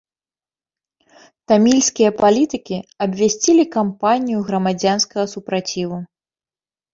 Тамільскія палітыкі абвясцілі кампанію грамадзянскага супраціву.